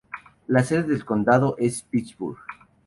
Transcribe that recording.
La sede de condado es Pittsburgh.